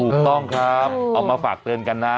ถูกต้องครับเอามาฝากเตือนกันนะ